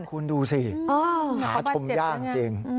คุณดูสิหาชมยากจริง